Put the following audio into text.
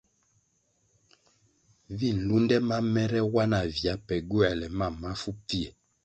Vi nlunde ma mèrè wa na vya pe gywoēle mam mafu pfie.